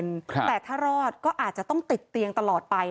แต่ถ้ารอดก็อาจจะต้องติดเตียงตลอดไป